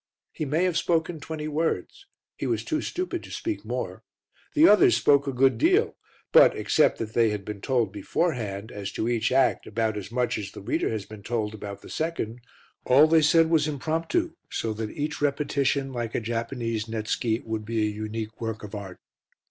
He may have spoken twenty words, he was too stupid to speak more; the others spoke a good deal, but, except that they had been told beforehand, as to each act, about as much as the reader has been told about the second, all they said was impromptu, so that each repetition, like a Japanese netsuke, would be a unique work of art.